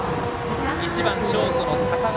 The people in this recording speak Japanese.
１番ショート、高川。